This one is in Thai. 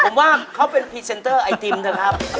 ผมว่าเขาเป็นพรีเซนเตอร์ไอติมเถอะครับ